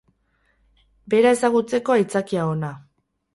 Bera ezagutzeko aitzakia ona.